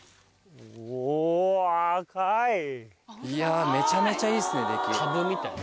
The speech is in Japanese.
いやめちゃめちゃいいっすね出来。